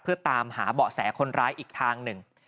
เพื่อตามหาเบาะแสคนร้ายอีกทางหนึ่ง